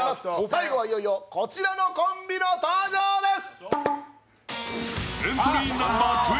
最後はいよいよこちらのコンビの登場です